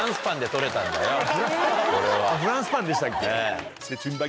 フランスパンでしたっけ。